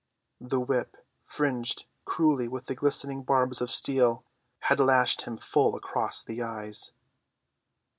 The whip, fringed cruelly with glistening barbs of steel, had lashed him full across the eyes.